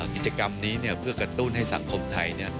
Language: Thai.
กิจกรรมนี้เพื่อกระตุ้นให้สังคมไทย